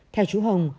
theo chú hồng